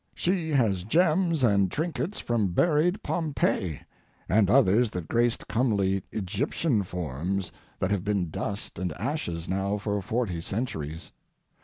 She has gems and trinkets from buried Pompeii, and others that graced comely Egyptian forms that have been dust and ashes now for forty centuries.